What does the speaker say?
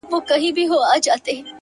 دغه دی يو يې وړمه” دغه دی خو غلا یې کړم”